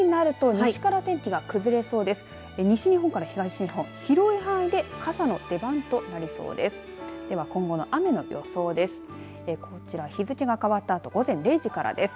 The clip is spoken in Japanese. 西日本から東日本、広い範囲で傘の出番となりそうです。